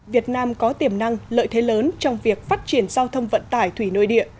việt nam có tiềm năng lợi thế lớn trong việc phát triển giao thông vận tải thủy nội địa